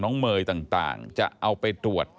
เมย์ต่างจะเอาไปตรวจ